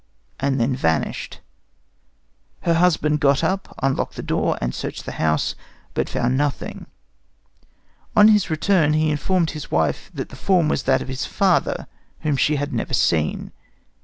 and then vanished." Her husband got up, unlocked the door, and searched the house, but found nothing. On his return he informed his wife that the form was that of his father, whom she had never seen.